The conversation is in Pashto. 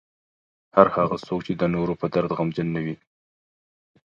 هر هغه څوک چې د نورو په درد غمجن نه وي.